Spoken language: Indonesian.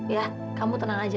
ya kamu tenang aja